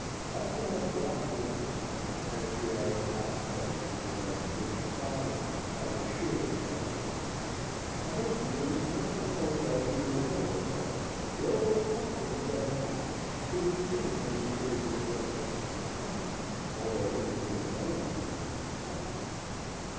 After more palaver of this kind, and here I am about to tell something about judicial processes that will surely cause a smile, a messenger was sent from the hotel to another hotel, where was stopping Judge Hatch, who was sitting on the Superior Court bench in King County, although he lived in another county down the Sound.